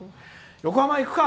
横浜、行くか！